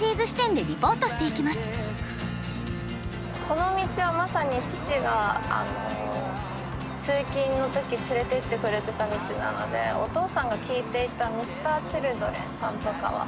この道はまさに父が通勤の時連れていってくれてた道なのでお父さんが聴いていたＭｒ．Ｃｈｉｌｄｒｅｎさんとかは。